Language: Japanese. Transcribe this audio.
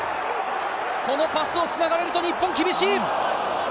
このパスがつながると日本厳しい。